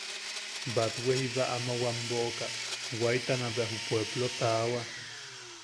Batwe jiba ama wam boʼoka, waitana bea ju puepplo taawa.